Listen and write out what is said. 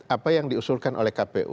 apa yang diusulkan oleh kpu